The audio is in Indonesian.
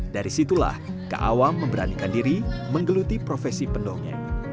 dari situlah kaawam memberanikan diri menggeluti profesi pendongeng